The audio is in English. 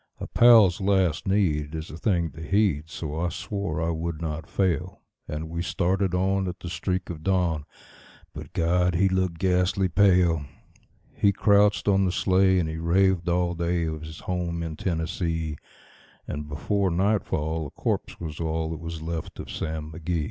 A pal's last need is a thing to heed, so I swore I would not fail; And we started on at the streak of dawn; but God! he looked ghastly pale. He crouched on the sleigh, and he raved all day of his home in Tennessee; And before nightfall a corpse was all that was left of Sam McGee.